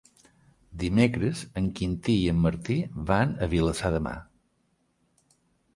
Dimecres en Quintí i en Martí van a Vilassar de Mar.